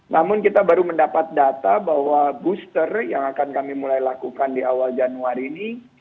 namun kita baru mendapat data bahwa booster yang akan kami mulai lakukan di awal januari ini